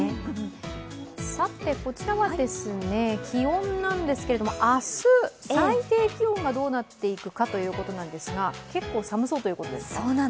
こちらは気温なんですけれども明日、最低気温がどうなっていくかということなんですが結構寒そうということですか。